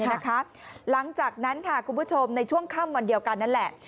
หลังจากนั้นค่ะคุณผู้ชมในช่วงค่ำวันเดียวกันนั่นแหละ